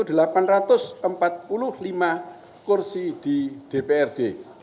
dan di tingkat kabupaten kota yaitu delapan delapan ratus empat puluh lima kursi di dprd